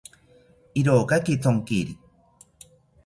Irokaki thonkiri